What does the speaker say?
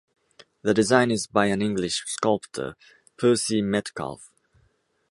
The design is by an English sculptor, Percy Metcalfe.